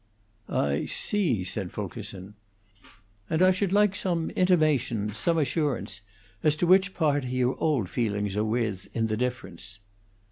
"I see," said Fulkerson. "And I should like some intimation, some assurance, as to which party your own feelings are with in the difference."